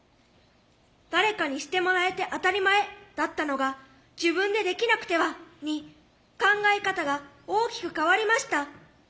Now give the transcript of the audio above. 「誰かにしてもらえて当たり前」だったのが「自分でできなくては」に考え方が大きく変わりました。